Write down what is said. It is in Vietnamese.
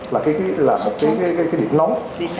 là một cái điểm nóng